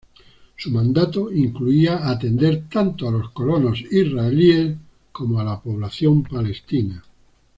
Su mandato incluía atender tanto a los colonos israelíes como a la población palestina.